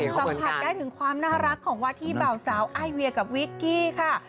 สัมผัสได้ถึงความน่ารักของวาธิบ่าวสาวไอเวียกับวิกกี้ค่ะ